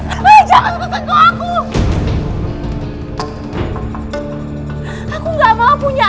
angelic benci sama ayah